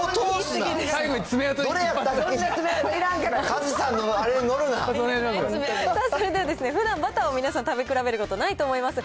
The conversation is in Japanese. それではふだんバターを皆さん、食べ比べること、ないと思います。